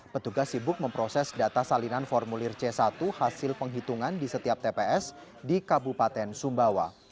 petugas sibuk memproses data salinan formulir c satu hasil penghitungan di setiap tps di kabupaten sumbawa